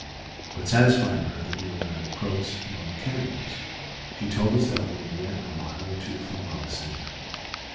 But satisfying her that we were neither Croats nor cannibals, she told us that we were yet a mile or two from Balasina.